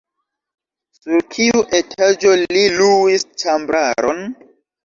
Sur kiu etaĝo li luis ĉambraron?